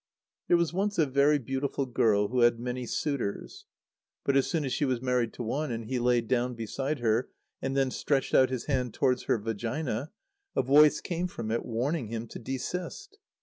_ There was once a very beautiful girl who had many suitors. But, as soon as she was married to one, and he lay down beside her and then stretched out his hand towards her vagina, a voice came from it, warning him to desist.